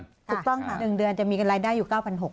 ถูกต้องค่ะ๑เดือนจะมีรายได้อยู่๙๖๐๐